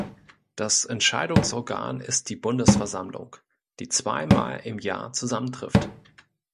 Das Entscheidungsorgan ist die Bundesversammlung, die zweimal im Jahr zusammentrifft.